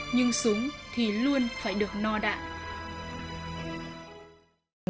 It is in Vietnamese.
nhưng súng thì luôn phải được no đạn